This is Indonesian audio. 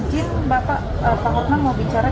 jadi itu tapi kartu bagus bisa buat